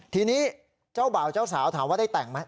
ทีนี้เจ้าบ่าวเจ้าสาวถามว่าได้แต่งไหม